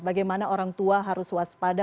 bagaimana orang tua harus waspada